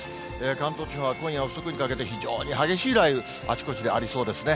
関東地方は今夜遅くにかけて、非常に激しい雷雨、あちこちでありそうですね。